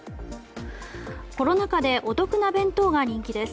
コロナ禍でお得な弁当が人気です。